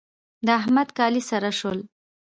د احمد کالي سره شول.